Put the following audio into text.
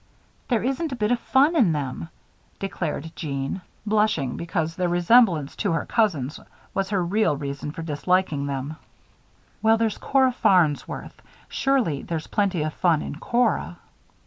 "There isn't a bit of fun in them," declared Jeanne, blushing because their resemblance to her cousins was her real reason for disliking them. "Well, there's Cora Farnsworth. Surely there's plenty of fun in Cora."